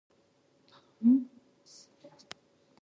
تعلیم یافته میندې د ماشومانو د لاسونو پاکولو یادونه کوي.